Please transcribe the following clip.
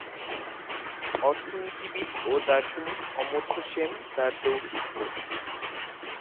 অর্থনীতিবিদ ও দার্শনিক অমর্ত্য সেন তার দৌহিত্র।